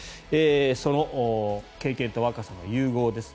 その経験と若さの融合です。